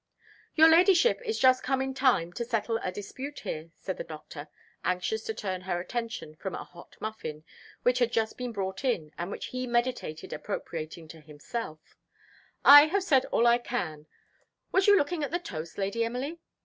"Your Ladyship is just come in time to settle a dispute here," said the Doctor, anxious to turn her attention from a hot muffin, which had just been brought in, and which he meditated appropriating to himself: "I have said all I can (Was you looking at the toast, Lady Emily?)